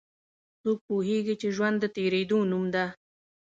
څوک پوهیږي چې ژوند د تیریدو نوم ده